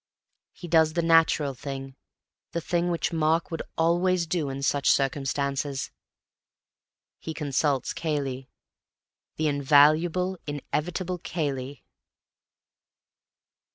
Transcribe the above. He does the natural thing, the thing which Mark would always do in such circumstances. He consults Cayley, the invaluable, inevitable Cayley.